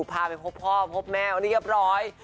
พาไปพบพ่อพบแม่วันนี้เยอะแบบร้อย